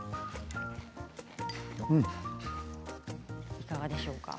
いかがでしょうか。